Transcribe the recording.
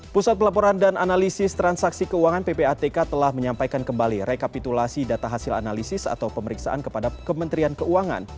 pusat pelaporan dan analisis transaksi keuangan ppatk telah menyampaikan kembali rekapitulasi data hasil analisis atau pemeriksaan kepada kementerian keuangan